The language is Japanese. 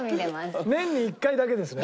年に１回だけですね。